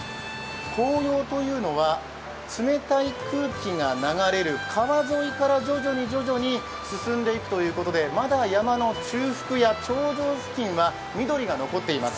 紅葉というのは、冷たい空気が流れる川沿いから徐々に徐々に進んでいくということでまだ山の中腹から頂上付近は緑が残っています。